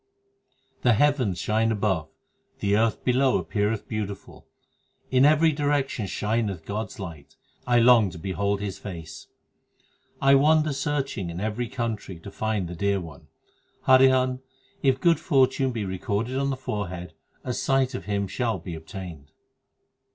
9 The heavens shine above, the earth below appeareth beautiful ; In every direction shineth God s light ; I long to behold His face. I wander searching in every country to find the Dear One. Hariri an, if good fortune be recorded on the forehead, a sight of Him shall be obtained.